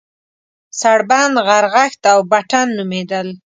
سړبن، غرغښت او بټن نومېدل.